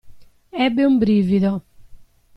Ebbe un brivido.